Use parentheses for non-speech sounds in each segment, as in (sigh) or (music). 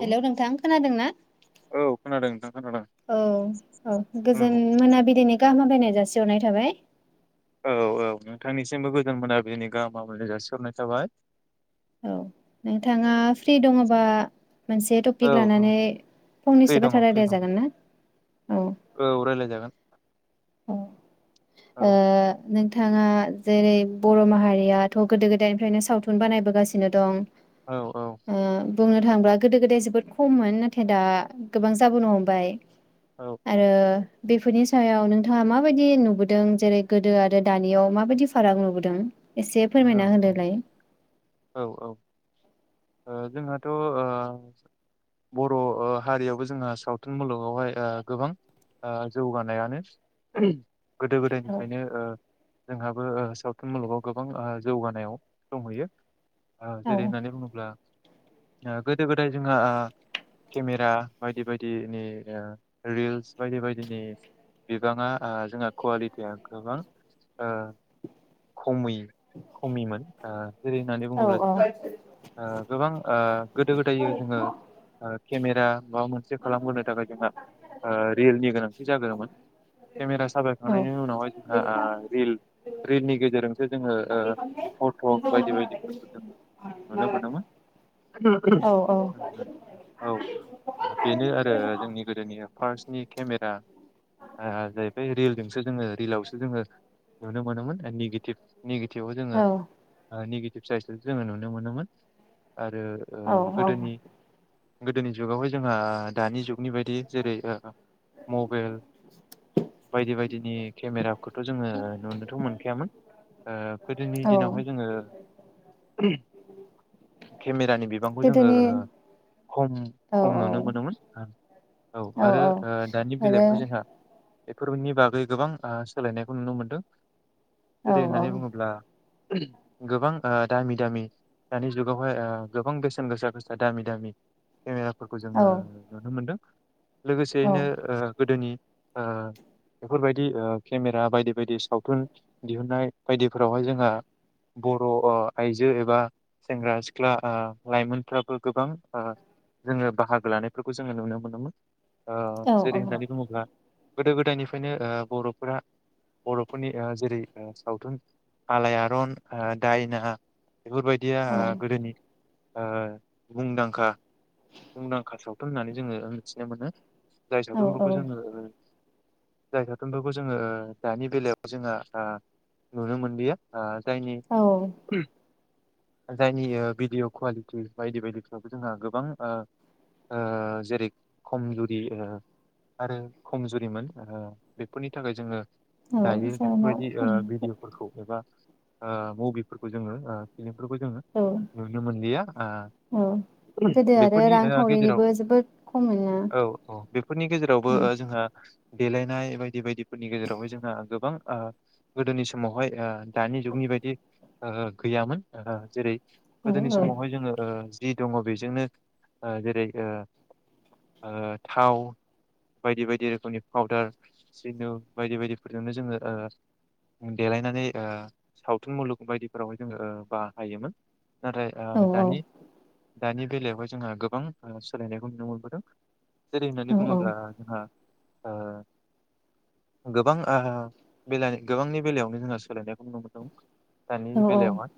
Hello नोंथां खोनादोंना औ खोनादों नोंथां खोनादों औ औ गोजोन मोनाबिलिनि गाहाम हामलायनाय जासि हरनाय थाबाय। औ औ नोंथांनिसिमबो गोजोन मोनाबिनि गाहाम हामलायनाय जासिहरनाय थाबाय। औ नोंथाङा फ्रि दङोबा मोनसे औ टपिक औ लानानै फ्रि फंनैसो दङ बाथ्रा फ्रि रायलाया दङ जागोन ना? औ। अ औ ओ नों थाङा जेरै बर' माहारियाथ' गोदो गोदायनिफ्रायनो सावथुन बानायबोगासिनो दं औ औ। ओ बुंनो थाङोब्ला गोदो गोदाय जोबोद खममोन नाथाय दा गोबां जाबोनो हमबाय। औ आरो बेफोरनि सायाव नों थाङा माबायदि नुबोदों जेरै गोदो आरो दानियाव माबायदि फाराग नुबोदों एसे फोरमायना औ होदोलाय। औ औ ओ जोंहाथ' ओ बर' ओ हारियावबो जोंहा सावथुन मुलुगावहाय ओ गोबां ओ जौगानायानो गोदो औ गोदायनिफ्रायनो ओ जोंहाबो ओ सावथुन मुलुगाव गोब बां ओ जौगानायाव दंहैयो। ओ जेरै औ होननानै बुङोब्ला ओ गोदो गोदाय जोंहा ओ केमेरा बायदि बायदिनि ओ रिल्स बायदि बायदिनि बिबाङा ओ जोंहा कुवालिटिया गोबां ओ खमै खमिमोन ओ जेरैहोनानै अ ओ गोबां ओ गोदो गोदाय जोङो ओ केमेरा माबा मोनसे खालामबोनो थाखाय जोंहा ओ रिलनि गोनांथि जागोमोन केमेरा औ साबायखांनायनि उनावहाय जोंहा ओ रिल रिलनि गेजेरजोंसो जोङो ओ फथग बायदि बायदिफोरखौ जों नुनो मोनगोन। औ औ औ बेनो आरो जोंनि गोदोनि फार्स्टनि केमेरा ओ जाहैबाय रिलजोंसो जोङो रिलावसो जोङो नुनो मोनोमोन निगेटिभ गेटिभाव जोङो ओ निगेटिभ साइस जोङो नुनो मोनोमोन आरो ओ औ गोदोनि गोदोनि जुगावहाय जोंहा दानि जुगनि बायदि जेरै ओ मबेल बायदि बायदिनि केमेराखौथ' जोङो नुनोथ' मोनखायामोन ओ गोदोनि औ दिनावहाय जोङो खेमेरानि बिबांखौ जोङो गोदोनि ओ खम औ खम औ नुनो मोनोमोन। औ आरो ओ दानि आरो बेलायावहाय जोंहा बेफोरबायनि बागै गोबां सोलायनायखौ नुनो मोनदों। औ जेरै औ होननानै बुङोब्ला गोबां ओ दामि दामि दानि जुगावहाय ओ गोबां बेसेन गोसा गोसा दामि दामि केमेराफोरखौ औ जोङो नुनो मोनदों। औ लोगोसेयैनो ओ गोदोनि ओ बेफोरबायदि ओ केमेरा बायदि बायदि सावथुन दिहुनन्नाय बायदिफोरावहाय जोंहा बर' अ आइजो एबा सेंग्रा सिख्ला ओ लाइमोनफ्राबो गोबां ओ जोङो बाहागो लानायफोरखौ ओ जोङो नुनो मोनोमोन। ओ औ जेरै होननानै बुङोब्ला गोदो गोदायनिफ्रायनो ओ बर'फोरा बर'फोरनि जेरै सावथुन आलायारन ओ दायना बेफोरबायदिया ओ गोदोनि ओ मुंदांखा मुंदांखा सावथुन होननानै जोङो मिथिनो मोनो। जाय सावथुनफोरखौ औ जोङो ओ जाय सावथुनफोरखौ जोङो ओ दानि बेलायाव जोंहा आ नुनो मोनलिया आ जायनि औ औ जायनि ओ भिडिअ' कुवालिटि बायदि बायदिफ्राबबो जोंहा गोबां ओ जेरै खमजुरि आरो ओ खमजुरिमोन ओ बेफोरनि थाखाय जोङो औ दायो जाना बेफोरबायदि ओ (unintelligible) भिडिअ'फोरखौ ओ मबिफोरखौ जोङो आ फिल्म फोरखौ जोङो औ नुनो मोनलिया औ ओ गोदो आरो बेफोरनि गेजेराव रांखावरिनिबो जोबोद खममोन ना औ औ बेफोरनि गेजेरावबो ओम जोंहा देलेनाय बायदि बायदिफोरनि गेजेरावहाय जोंहा गोबां आ गोदोनि स समावहाय ओ दानि जुगनि बायदि ओ गैयामोन ओ जेरै गोदोनि औ समावहाय जोङो ओ जि दङ बेजोंनो जेरै ओ थाव बायदि-बायदि रोखोमनि पावदार सिन्दुर बायदि बायदिफोरजोंनो जोङो देलायनानै ओ सावथुन मुलुग बायदिफोरावहाय जोङो ओ बाहायोमोन। नथाय औ दानि दानि बेलायावहाय जोंहा गोबां सोलायनायखौ नुनो मोनबोदों। जेरै औ होननानै बुंङोब्ला ओ गोबां गोबांनि बेलायावनो जोंहा सोलायनायखौ नुनो मोन्दों। औ दानि बेलायावहाय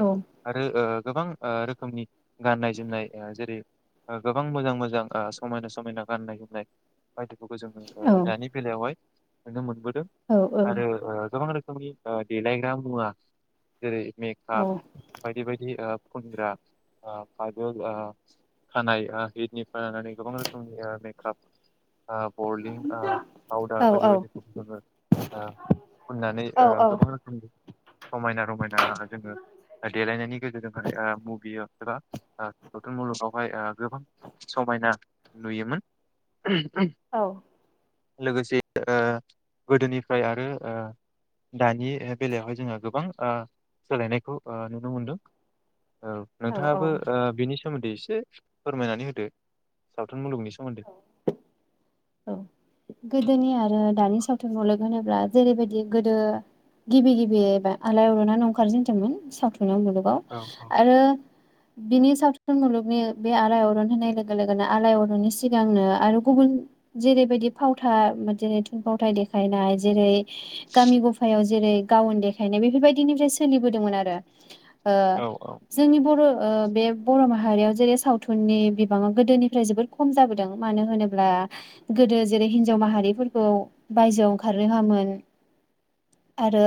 औ आरो गोबां रोखोमनि गाननाय-जोमनाय ओ जेरै गोबां मोजां मोजां समायना-रमायना गाननाय-जोमनाय बायदिफोरखौ जोङो औ दानि बेलायावहाय नुनो मोनबो औ। आरो औ गोबां रोखोम नि डेलायग्रा मुवा जेरै मेकाप बायदि बायदि फुनग्रा ओ खाजोल खानाइ हिटनिफ्राय लानानै गोबां रोखोमनि मेकाप बरलिं पावदार बायदि औ बायदि जोङो फुननानै गोबां रोखोमनि समायना-रमायना जोङो देलायनायनि गेजेरजोंहाय मुहियो। एबा सावथुन मुलुगावहाय गोबां समायना नुयोमोन। औ (inaudible) लोगोसे ओ गोदोनि फ्राय आरो दानि बेलायावहाय जोङो गोबां ओ सोलायनायखौ ओ नुनो मोनदों। औ नोंथाङाबो बिनि सोमोन्दै एसे फोरमायनानै होदो। मुलुगनि सोमोन्दै। औ गोदोनि आरो दानि सावथुन मुलुग होनोब्ला जेरैबायदि गोदो गिबि-गिबियै आलाय अर'ननानो ओंखारजेनदोंमोन सावथुन मुलुगाव औ औ आरो बिनि सावथुन मुलुगनि बे आलाय अर'न होनाय लोगो लोगोनो आलाय अर'ननि सिगांनो आरो गुबुन जेरैबायदि फावथाइ मोनसे थुनफावथाइ देखायनाय जेरै गामि गफायाव जेरै- लान्दांगान देखायनाय बेफोरबायदिनिफ्राय सोलिबोदोंमोन आरो ओ औ औ जोंनि बर' ओ बे बर' माहारियाव जेरै सावथुननि बिबाङा गोदोनिफ्राय जोबोद खम जाबोदों मानो होनोब्ला गोदो जेरै हिनजाव माहारिफोरखौ बायजोआव ओंखारनो होआमोन आरो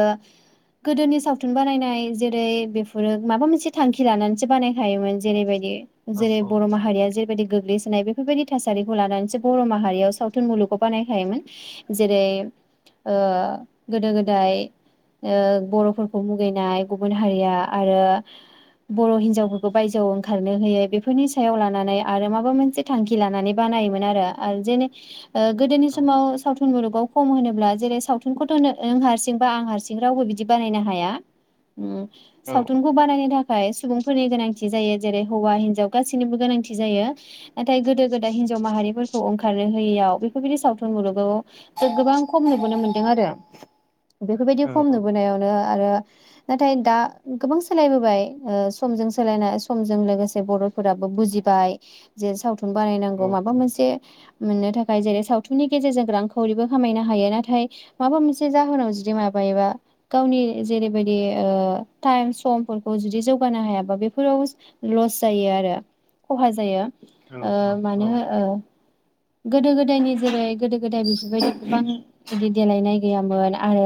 गोदोनि सावथुन बानायनाय जेरै बेफोरो माबा मोनसे थांखि लानानैसो बानायखायोमोन। जेरैबायदि औ जेरै औ बर' माहारिया जेरबायादि गोग्लैसो बेफोरबायदि थासारिखौ लानानैसो बर' माहारियाव सावथुन मुलुगाव बानायखायोमोन जेरै गोदो गोदाय बर'फोरखौ मुगैनाय गुबुन हारिया आरो बर' हिनजावफोरखौ बायजोआव ओंखारनो होयो बेफोरनि सायाव लानानै आरो माबा मोनसे थांखि लानानै बानायोमोन आरो जेने (inaudible) गोदोनि औ समाव सावथुन मुलुगाव खम होनोब्ला जेरै सावथुनखौ थ नों हारसिं बा आं हारसिं रावबो बिदि बानायनो हाया उम औ सावथुनखौ बानायनो थाख (unintelligible) सुबुंफोरनि गोनांथि जायो जेरै हौवा हिनजाव गासैनिबो गोनांथि जायो नाथाय गोदो गोदाय हिनजाव माहारिफोरखौ ओंखारनो होयियाव बेफोरबायदि सावथुन मुलुगाव गोबां खम नुबोनो मोनदों आरो बेफोरबायदि औ खम औ नुबोनायावनो आरो नाथाय दा गोबां सोलायबोबाय ओ समजों सोलायनाय समजों लोगोसे बर'फोराबो बुजिबाय जे सावथुन औ बानायनांगौ माबा मोनसे मोननो थाखाय जेरै सावथुननि गेजेरजों रांखावरिबो खामायनो हायो नाथाय माबा मोनसे जाहोनाव जुदि माबायोबा गावनि जेरैबायदि टाइम समफोरखौ जुदि जौगानो हायाबा बेफोराव लस जायो आरो खहा जायो ओ औ मानो ओ गोदो गोदायनि जेरै गोदो गोदाय बेफोरबायदि गोबां बिदि देलायनाय गैयामोन आरो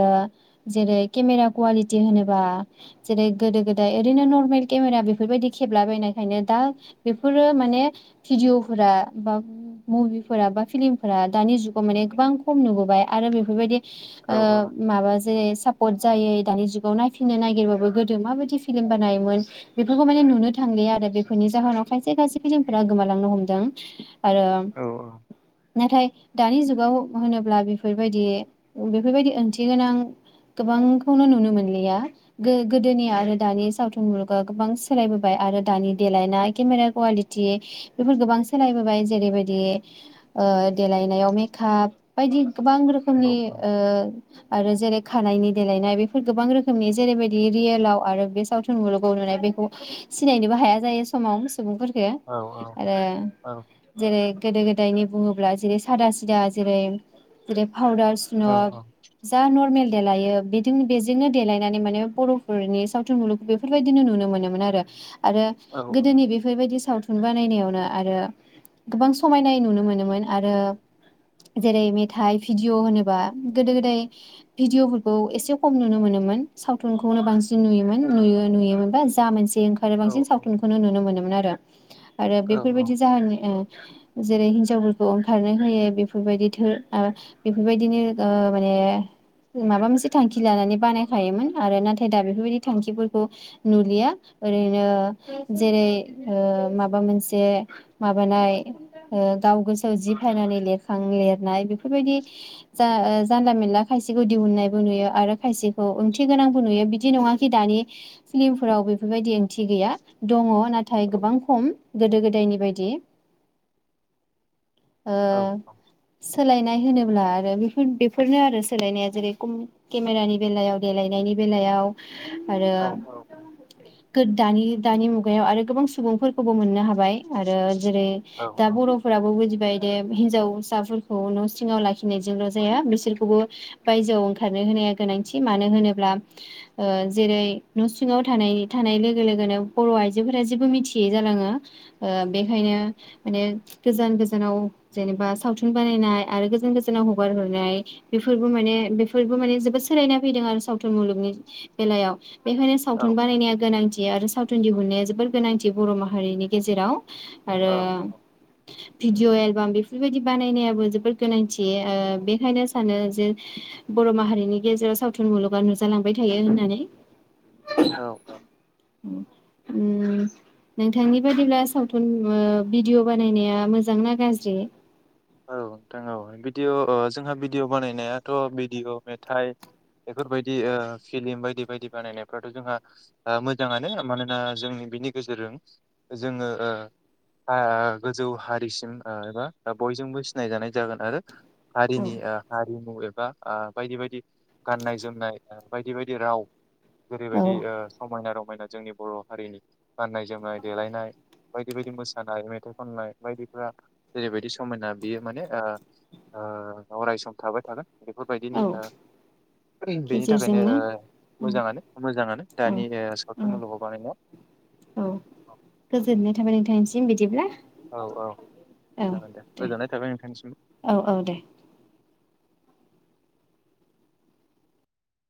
जेरै केमेरा कुवालिटि होनोबा जेरै गोदो गोदाय ओरैनो नरमेल केमेरा बेफोरबायदि खेबलाबायनायखायनो दा बेफोरो माने भिडिअ'फोरा बा मुभिफोरा बा फिलिमफोरा दानि जुगाव माने गोबां खम नुबोबाय आरो बेफोरबायदि औ ओ माबा जेरै सापर्ट जायै दानि जुगाव नायफिननो नागिरबाबो गोदो माबायदि फिलिम बानायोमोन बेफोरखौ माने नुनो थांलिया आरो बेफोरनि जाहोनाव खायसे खायसे फिलिमफोरा गोमालांनो हमदों आरो औ (inaudible) नाथाय दानि जुगाव होनोब्ला बेफोरबायदि बेफोरबायदि ओंथि गोनां गोबांखौनो नुनो मोनलिया गो-गोदोनि आरो दानि सावथुन मुलुगा गोबां सोलायबोबाय आरो दानि देलायनाय केमेरा कुवालिटि बेफोर गोबां सोलायबोबाय जेरैबायदि ओ देलायनायाव मेकाप बायदि गोबां रोखोमनि ओ आरो जेरै खानायनि देलायनाय बेफोर गोबां रोखोमनि जेरैबायदि रियेलाव आरो बे सावथुन मुलुगाव नुनाय बेखौ सिनायनोबो हाया जायो समाव सुबुंफोरखौ गो आरो जेरै गोदो गोदायनि बुंङोब्ला जेरै सादा सिदा जेरै दिरेग पाउदार औ स्नक जा नरमेल देलायो बेजों बेजोंनो देलायनानै माने बर'फोरनि सावथुन मुलुग बेफोरबायदिनो नुनो मोनोमोन आरो आरो गोदोनि बेफोरबायदि सि सावथुन बानायनायावनो आरो गोबां सु समायनाय नुनो मोनोमोन आरो जेरै मेथाइ भिडिअ होनोबा गोदो गोदाय भिडिअ फोरखौ एसे खम नुनो मोनोमोन सावथुनखौनो बांसिन नुयोमोन नुयो नुयोमोनबा जा मोनसे जि ओंखारो बांसिन सावथुनखौनो नुनो मोनोमोन (unintelligible) आरो आरो बेफोरबायदि जाहोननि ओ (inaudible) जेरै हिनजावफोरखौ ओंखारनो होयो बेफोरबायदि थोर आरो बेफोरबायदिनो गा माने माबा मोनसे थांखि लानानै बानायखायोमोन आरो नाथाय दा बेफोरबायदि थांखिफोरखौ नुलिया ओरैनो जेरै ओ माबा मोनसे माबानाय ओ गाव गोसो जि फायनानै लेखां लिरनाय बेफोरबायदि जा ओ जानला मिनला खायसेखौ दिहुननायबो नुयो आरो खायसेखौ ओंथि गोनांबो नुयो बिदि नंङा खि दानि फिलिमफोराव बेफोरबायदि ओं थि गैया दंङ नाथाय गोबां खम गोदो गोदायनि बायदि ओ सोलायनाय होनोब्ला आरो बेफोर बेफोरनो आरो सोलायनाया जेरै कुम केमेरानि बेलायाव देलायनायनि बेलायाव आरो गो दानि दानि मुगायाव आरो गोबां सुबुंफोरखौबो मोननो हाबाय आरो जेरै दा बर'फोराबो बुजि बेबायदि हिनजावसाफोरखौ न' सिंङाव लाखिनायजोंल' जाया बिसोरखौबो बायजोआव ओंखारनो होनाया गोनांथि मानो होनोब्ला ओ जेरै न' सिंङाव थानाय थानाय लोगो लोगोनो बर' आइजोफोरा जेबो मिथियै जालांङो ओ बेखायनो माने गोजान गोजानाव जेनेबा सावथुन बानायनाय आरो गोजान गोजानाव हगार हरनाय बेफोरबो माने बेफोरबो माने जोबोद सोलायना फैदों आरो सावथुन मुलुगनि बेलायाव बेखायनो औ औ सावथुन बानायनाया गोनांथि आरो सावथुन दिहुननाया जोबोर गोनांथि बर' माहारिनि गेजेराव आरो भिडिअ' एलबाम बेफोरबायदि बानायनायाबो जोबोद गोनांथि ओ बेखायनो सानो जे बर' माहारिनि गेजेराव सावथुन मुलुगा नुजालांबाय थायो होननानै औ औ ओ नोंथांनि बायदिब्ला सावथुन ओ भिडिअ बानायनाया मोजांना गाज्रि औ नोंथां औ भिदिअ' ओ जोंहा भिडिअ बानायनायाथ' भिडिअ' मेथाइ बेफोरबायदि ओक्षफिलिम बायदि बायदि बानायनायफ्राथ' जोंहा ओक्षमोजाङानो मानोना जोंनि बिनि गेजेरजों जोङो ओ हा गोजौ हारिसिम ओ एबा बयजोंबो सिनायजानाय जागोन आरो औ हारिनि ओ हारिमु एबा ओ बायदि बायदि गान्नाय जोमनाय बायदि बायदि राव ओेरैबायदि ओ समायना र मायना जोंनि बर' हारिनि गान्नाय जोमनाय देलायनाय बायदि बायदि मोसानाय मेथाइ खननाय बायदि फोरा जरैबायदि समायना बियो माने ओ ओ अरायसम थाबाय थागोन औ बेफोरबायदिनि ओ बेनि थाखायनो गेजेरजोंनो ओ मोजाङानो मोजाङानो औ दानि औ सावथुन मुलुगाव बानायनाया औ गोजोननाय थाबाय नोंथांनिसिम बिदिब्ला औ औ जागोन दे गोजोननाय थाबाय नोंथांनिसिम औ औ दे।